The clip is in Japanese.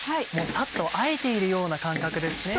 さっとあえているような感覚ですね。